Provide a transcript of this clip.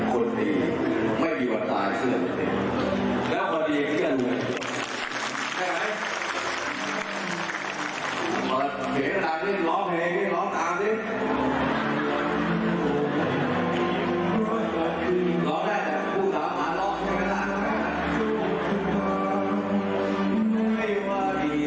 เห็นกระดาษด้วยร้องเพลงด้วยร้องต่างด้วย